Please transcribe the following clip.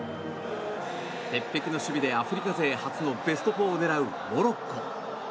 鉄壁の守備でアフリカ勢初のベスト４を狙うモロッコ。